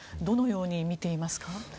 どのように見ていますか？